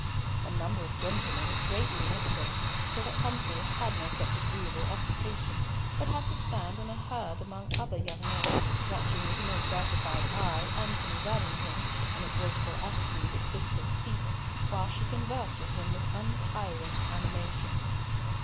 The number of gentlemen was greatly in excess, so that Humfrey had no such agreeable occupation, but had to stand in a herd among other young men, watching with no gratified eye Antony Babington, in a graceful attitude at Cicely's feet, while she conversed with him with untiring animation.